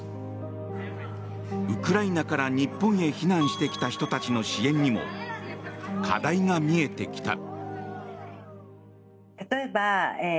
ウクライナから日本へ避難してきた人たちの支援にも課題が見えてきた。